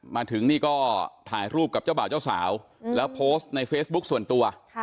มาถึงนี่ก็ถ่ายรูปกับเจ้าบ่าวเจ้าสาวแล้วโพสต์ในเฟซบุ๊คส่วนตัว